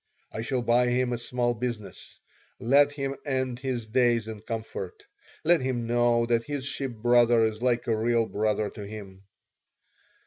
"I shall buy him a small business. Let him end his days in comfort. Let him know that his ship brother is like a real brother to him."